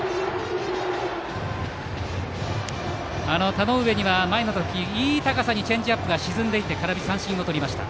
田上には前の打席、いい高さでチェンジアップが沈んできて空振り三振をとりました。